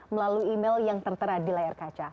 melalui email yang tertera di layar kaca